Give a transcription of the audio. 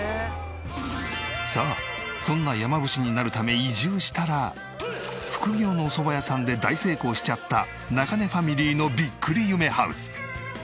さあそんな山伏になるため移住したら副業のおそば屋さんで大成功しちゃった中根ファミリーのびっくり夢ハウス。